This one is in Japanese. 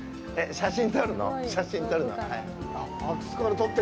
写真撮るの？